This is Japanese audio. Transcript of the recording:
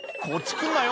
来んなよ」